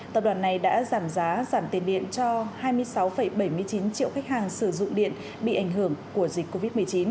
tập đoàn này đã giảm giá giảm tiền điện cho hai mươi sáu bảy mươi chín triệu khách hàng sử dụng điện bị ảnh hưởng của dịch covid